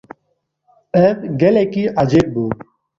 Ew gelekî ecêb bû.